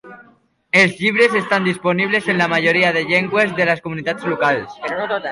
Els llibres estan disponibles en la majoria de llengües de les comunitats locals.